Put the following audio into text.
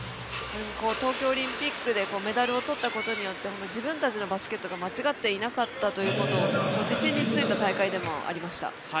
東京オリンピックでメダルをとったことによって自分たちのバスケットが間違っていなかったということを自信がついた大会でもありました。